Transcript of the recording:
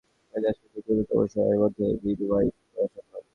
আমাদের চার হাজারের বেশি পরিদর্শিকাকে খুব দ্রুততম সময়ের মধ্যে মিডওয়াইফ করা সম্ভব।